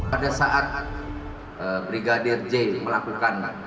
pada saat brigadir j melakukan